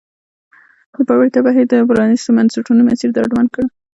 د پیاوړتیا بهیر د پرانیستو بنسټونو مسیر ډاډمن کړ.